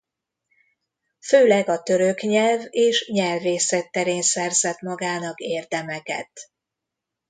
Főleg a török nyelv és nyelvészet terén szerzett magának érdemeket.